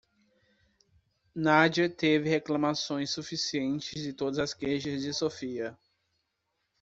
Nadia teve reclamações suficientes de todas as queixas de Sofia.